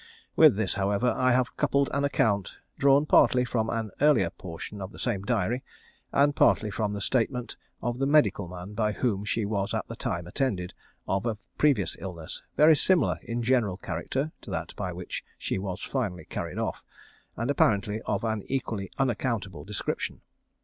With this, however, I have coupled an account, drawn partly from an earlier portion of the same diary, and partly from the statement of the medical man by whom she was at the time attended, of a previous illness very similar in general character to that by which she was finally carried off, and apparently of an equally unaccountable description.